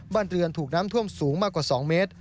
บ้านเรือนถูกน้ำท่วมสูงมากกว่า๒เมตร